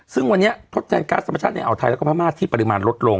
ซึ่งวันนี้ทดแทนก๊าซธรรมชาติในอ่าวไทยแล้วก็พม่าที่ปริมาณลดลง